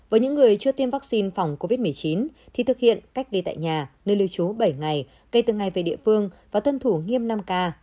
với những người chưa tiêm vaccine phòng covid một mươi chín thì thực hiện cách ly tại nhà nơi lưu trú bảy ngày kể từ ngày về địa phương và tuân thủ nghiêm năm k